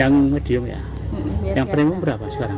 yang medium ya yang premium berapa sekarang